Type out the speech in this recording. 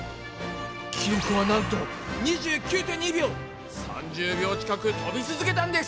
記録はなんと３０秒近く飛び続けたんです。